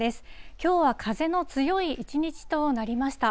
きょうは風の強い一日となりました。